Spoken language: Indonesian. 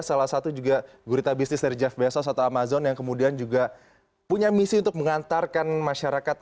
salah satu juga gurita bisnis dari jeff bezos atau amazon yang kemudian juga punya misi untuk mengantarkan masyarakat